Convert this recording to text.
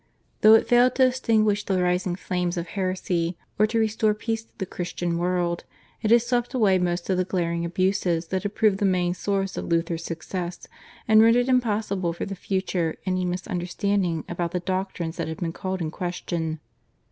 Though it failed to extinguish the rising flames of heresy or to restore peace to the Christian world, it had swept away most of the glaring abuses that had proved the main source of Luther's success, and rendered impossible for the future any misunderstanding about the doctrines that had been called in question.